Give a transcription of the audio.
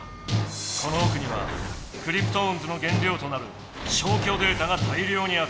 このおくにはクリプトオンズの原料となる消去データが大量にある。